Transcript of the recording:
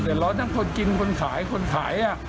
เดือดร้อนให้คนกินคนขายคนขาย